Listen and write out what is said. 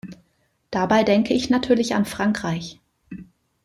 Dabei denke ich natürlich an Frankreich.